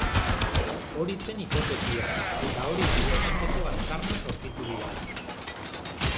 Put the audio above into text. Hori zen hipotesia, eta hori baieztatzeko aztarnak aurkitu dira.